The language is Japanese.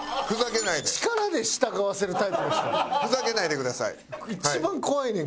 ふざけないでください。